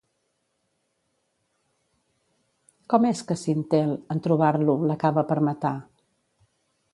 Com és que Sintel, en trobar-lo, l'acaba per matar?